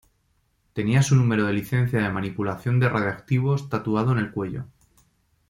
Tenía su número de licencia de manipulación de radiactivos tatuado en el cuello.